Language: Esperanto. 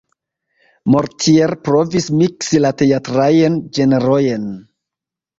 Mortier provis miksi la teatrajn ĝenrojn.